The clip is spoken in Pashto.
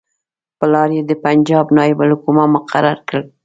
پلار یې د پنجاب نایب الحکومه مقرر کړ.